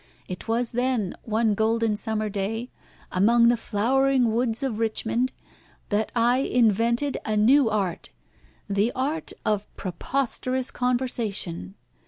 It was then, one golden summer day, among the flowering woods of Richmond, that I invented a new art, the art of preposterous conversation.